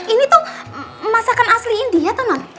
ini tuh masakan asli india tonon